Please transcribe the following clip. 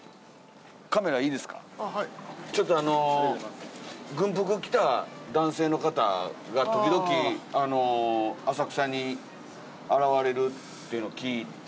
あの軍服着た男性の方が時々浅草に現れるっていうのを聞いて。